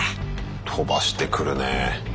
飛ばしてくるねえ。